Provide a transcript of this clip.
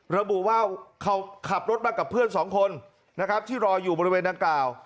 ระบุว่าเขาขับรถมากับเพื่อนสองคนนะครับที่รออยู่บริเวณดังกล่าว